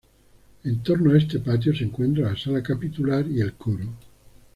En torno a este patio se encuentra la sala capitular y el coro.